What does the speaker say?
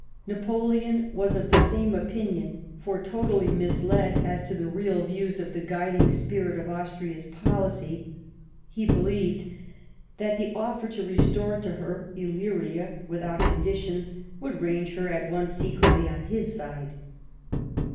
Napoleon was of the same opinion, for, totally misled as to the real views of the guiding spirit of Austria's policy, he believed that the offer to restore to her Illyria, without conditions, would range her at once secretly on his side.